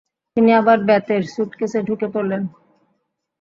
তিনি আবার বেতের সুটকেসে ঢুকে পড়লেন।